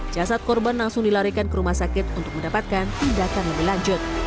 jasad korban langsung dilarikan ke rumah sakit untuk mendapatkan tindakan lebih lanjut